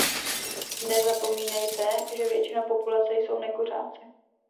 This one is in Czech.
Nezapomínejte, že většina populace jsou nekuřáci.